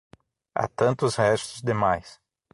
Há tantos restos demais.